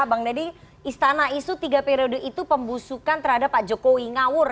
bang deddy istana isu tiga periode itu pembusukan terhadap pak jokowi ngawur